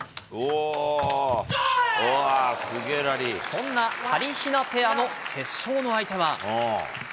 そんなはりひなペアの決勝の相手は。